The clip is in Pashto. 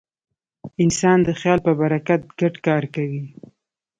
انسان د خیال په برکت ګډ کار کوي.